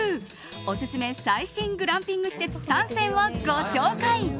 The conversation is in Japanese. おすすめ最新グランピング施設３選をご紹介。